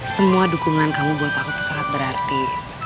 semua dukungan kamu buat aku itu sangat berarti